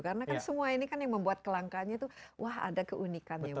karena kan semua ini kan yang membuat kelangkaannya tuh wah ada keunikannya